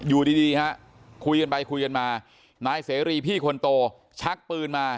อยู่ดีฮะคุยกันไปคุยกันมานายเสรีพี่คนโตชักปืนมา